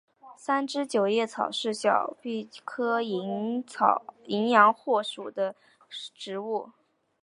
三枝九叶草是小檗科淫羊藿属的植物。